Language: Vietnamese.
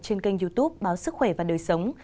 trên kênh youtube báo sức khỏe và đời sống